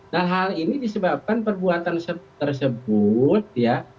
nah hal ini disebabkan perbuatan tersebut ya